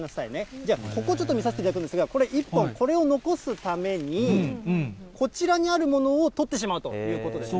じゃあ、ここをちょっと見させていただくんですが、これ、１本、これを残すために、こちらにあるものを取ってしまうということですね。